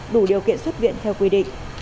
đủ điều kiện xuất viện theo quy định